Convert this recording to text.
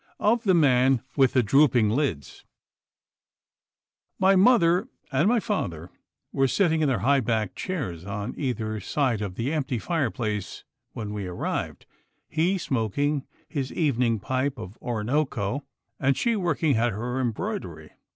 Of the Man with the Drooping Lids My mother and my father were sitting in their high backed chairs on either side of the empty fireplace when we arrived, he smoking his evening pipe of Oronooko, and she working at her embroidery.